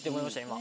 今。